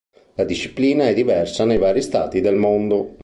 La disciplina è diversa nei vari Stati del mondo.